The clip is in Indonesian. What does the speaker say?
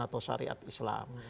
atau syariat islam